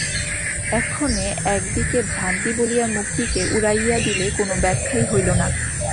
এক্ষণে একদিকে ভ্রান্তি বলিয়া মুক্তিকে উড়াইয়া দিলে কোন ব্যাখ্যাই হইল না।